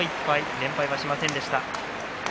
連敗はしませんでした。